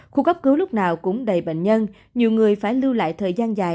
khu cấp cứu lúc nào cũng đầy bệnh nhân nhiều người phải lưu lại thời gian dài